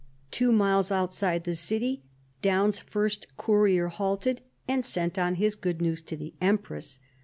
Two miles outside the city, Daun's first courier halted, and sent on his good news to the empress.